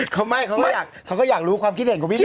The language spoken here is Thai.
เขาไม่เขาก็อยากรู้ความคิดเห็นของพี่สาว